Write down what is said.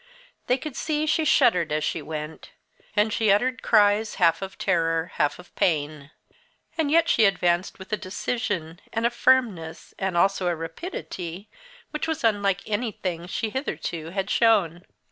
They could see she shuddered as she went; and she uttered cries, half of terror, half of pain. And yet she advanced with a decision, and a firmness, and also a rapidity, which was unlike anything she hitherto had shown.